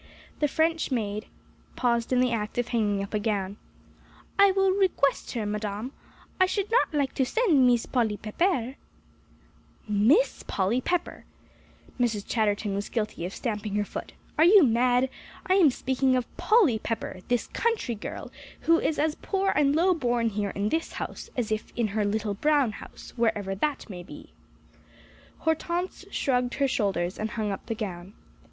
The French maid paused in the act of hanging up a gown. "I will re quest her, Madame. I should not like to send Mees Polly Peppaire." "Miss Polly Pepper!" Mrs. Chatterton was guilty of stamping her foot. "Are you mad? I am speaking of Polly Pepper, this country girl, who is as poor and low born here in this house, as if in her little brown house, wherever that may be." Hortense shrugged her shoulders, and hung up the gown.